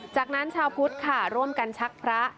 จากนั้นชาวพุทธค่ะร่วมกันชักพระ